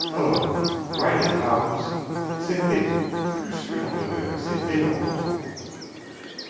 Or, Granite-house, c’était plus que leur demeure, c’était leur entrepôt.